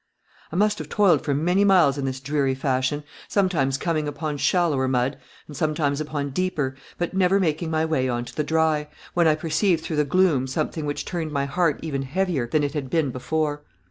I must have toiled for many miles in this dreary fashion, sometimes coming upon shallower mud and sometimes upon deeper, but never making my way on to the dry, when I perceived through the gloom something which turned my heart even heavier than it had been before.